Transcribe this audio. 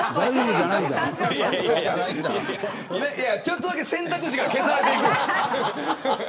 ちょっとだけ選択肢が消されていく。